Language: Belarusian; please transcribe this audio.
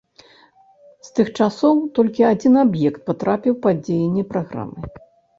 З тых часоў толькі адзін аб'ект патрапіў пад дзеянне праграмы.